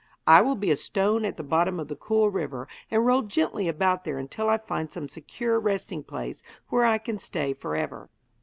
I will be a stone at the bottom of the cool river, and roll gently about there until I find some secure resting place where I can stay for ever.'